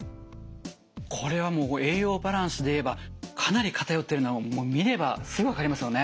これはもう栄養バランスでいえばかなり偏っているのは見ればすぐ分かりますよね。